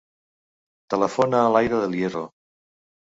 Telefona a l'Aïda Del Hierro.